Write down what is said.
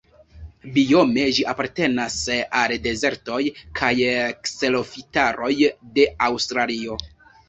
Biome ĝi apartenas al dezertoj kaj kserofitaroj de Aŭstralio.